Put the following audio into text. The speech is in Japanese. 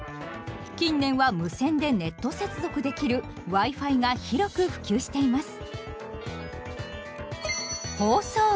近年は無線でネット接続できるＷｉ−Ｆｉが広く普及しています。